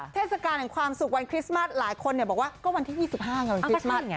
เทศกาลแห่งความสุขวันคริสต์มัสหลายคนบอกว่าก็วันที่๒๕ไงคริสต์